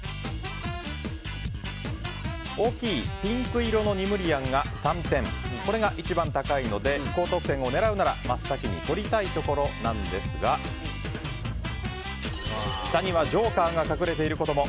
大きいピンク色のニムリアンが３点と１番高いので高得点を狙うなら真っ先に取りたいところですが下にはジョーカーが隠れていることも。